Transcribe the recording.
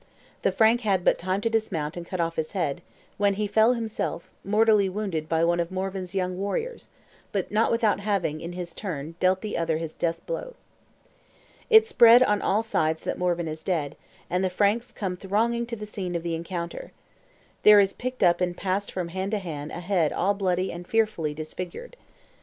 The Frank had but time to dismount and cut off his head, when he fell himself, mortally wounded by one of Morvan's young warriors, but not without having, in his turn, dealt the other his death blow. It spreads on all sides that Morvan is dead; and the Franks come thronging to the scene of the encounter. There is picked up and passed from hand to hand a head all bloody and fearfully disfigured.